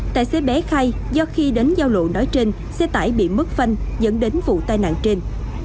tài xế bé khai do khi đến giao lộ nói trên xe tải bị mất phanh dẫn đến vụ tai nạn trên